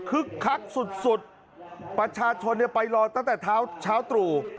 คักสุดประชาชนไปรอตั้งแต่เช้าตรู่